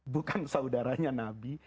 bukan saudaranya nabi